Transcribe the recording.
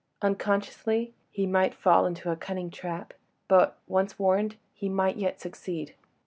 Unconsciously, he might fall into a cunning trap, but—once warned—he might yet succeed.